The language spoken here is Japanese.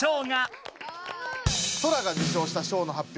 ソラが受賞した賞の発表